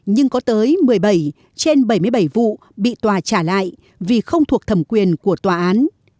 nhưng có tới một mươi bảy trên bảy mươi bảy vụ bị tòa trả lại vì không thuộc thẩm quyền của tòa án